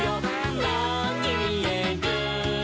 「なんにみえる？